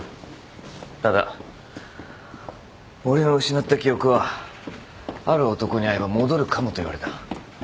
ただ俺の失った記憶はある男に会えば戻るかもと言われた。